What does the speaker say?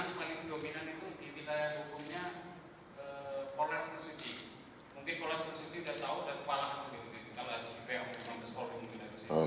nah habis itu